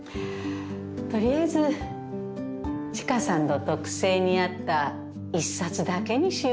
取りあえず知花さんの特性にあった１冊だけにしようか？